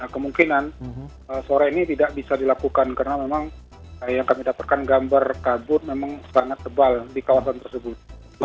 kemungkinan sore ini tidak bisa dilakukan karena memang yang kami dapatkan gambar kabut memang sangat tebal di kawasan tersebut